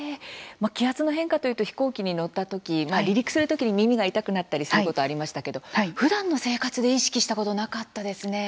気圧の変化というと飛行機に乗ったとき離陸するときに耳が痛くなったりすること、ありましたけどふだんの生活で意識したことなかったですね。